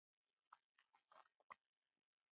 افغانستان د سرو زرو کانونه لري